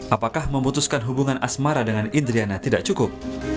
apakah memutuskan hubungan asmara dengan indriana tidak cukup